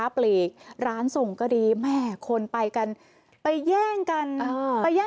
พี่สุดนี้เท่านั้นนะ